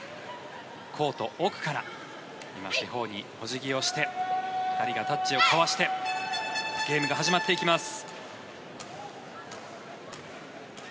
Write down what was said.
コート奥から今、四方にお辞儀をして２人がタッチを交わしてゲームが始まっていきます。